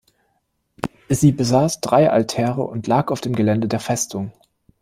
Sie besaß drei Altäre und lag auf dem Gelände der Festung.